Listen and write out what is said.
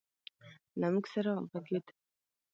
له موږ سره وغږېد